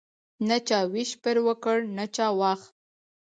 نه چا ویش پر وکړ نه چا واخ.